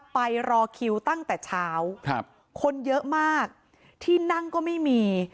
ไปรอคิวตั้งแต่เช้าคนเยอะมากที่นั่งก็ไม่มี